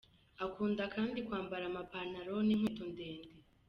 Akunda kandi kwambara amapantaro n’inkweto ndende.